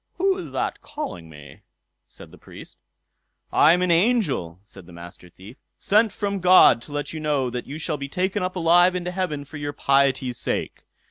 "Who is that calling me?" said the Priest. "I am an angel", said the Master Thief, "sent from God to let you know that you shall be taken up alive into heaven for your piety's sake.